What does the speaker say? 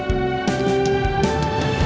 jangan lupa untuk mencoba